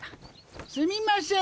すみません